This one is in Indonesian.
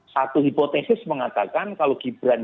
satu hipotesis mengatakan kalau gibran